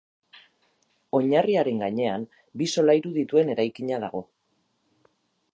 Oinarriaren gainean bi solairu dituen eraikina dago.